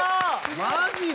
マジで？